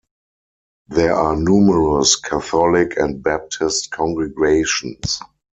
There are numerous Catholic and Baptist congregations.